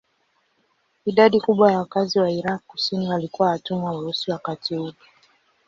Idadi kubwa ya wakazi wa Irak kusini walikuwa watumwa weusi wakati ule.